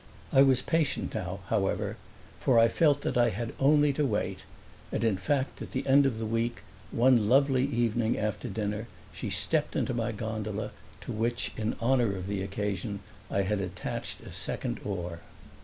I was patient now, however, for I felt that I had only to wait; and in fact at the end of the week, one lovely evening after dinner, she stepped into my gondola, to which in honor of the occasion I had attached a second oar.